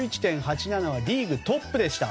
１１．８７はリーグトップでした。